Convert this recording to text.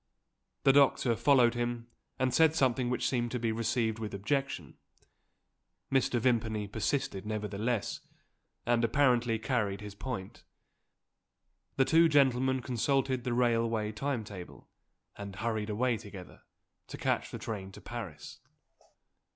The doctor followed him, and said something which seemed to be received with objection. Mr. Vimpany persisted nevertheless, and apparently carried his point. The two gentlemen consulted the railway time table, and hurried away together, to catch the train to Paris.